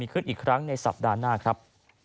ที่มีโอกาสได้ไปชม